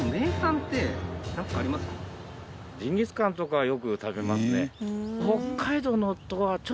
ジンギスカンとかよく食べますね。